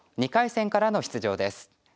２回戦からの出場です。